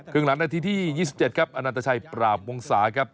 ครึ่งหลังนาทีที่๒๗ครับอนันตชัยปราบวงศาครับ